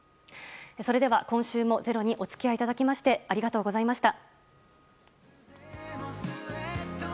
それでは今週も「ｚｅｒｏ」にお付き合いいただきましてありがとうございました。